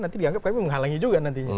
nanti dianggap kami menghalangi juga nantinya